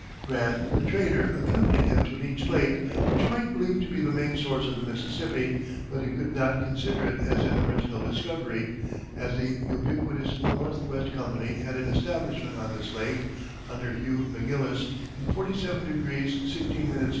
Grant, the trader, accompanied him to Leech Lake, which Pike believed to be the main source of the Mississippi, but he could not consider it as an original discovery, as the ubiquitous Northwest Company had an establishment on this lake, under Hugh McGillis, in 47° 16´ N.